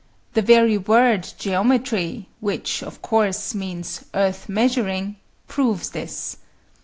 The very word geometry, which, of course, means earth measuring, proves this.